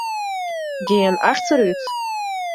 Gean achterút.